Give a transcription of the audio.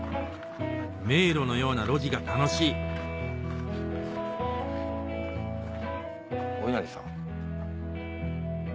迷路のような路地が楽しいお稲荷さん。